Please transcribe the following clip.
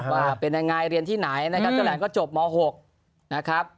ว่าเป็นยังไงเรียนที่ไหนแล้วก็จบม๖นะครับ